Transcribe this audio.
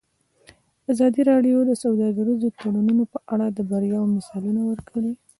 ازادي راډیو د سوداګریز تړونونه په اړه د بریاوو مثالونه ورکړي.